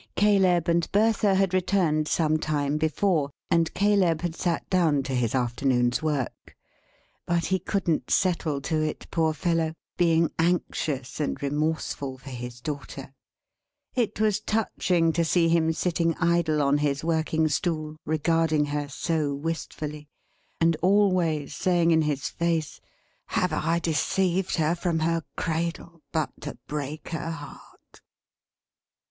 Caleb and Bertha had returned some time before, and Caleb had sat down to his afternoon's work. But he couldn't settle to it, poor fellow, being anxious and remorseful for his daughter. It was touching to see him sitting idle on his working stool, regarding her so wistfully; and always saying in his face, "have I deceived her from her cradle, but to break her heart!"